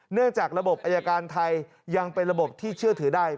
เนื่องจากระบบอายการไทยยังเป็นระบบที่เชื่อถือได้